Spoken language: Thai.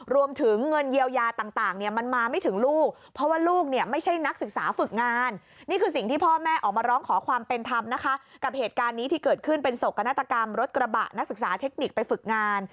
รถกระบะนักศึกษาเทคนิคไปฝึกงาน